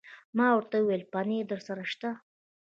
ما ورته وویل: پنیر درسره شته؟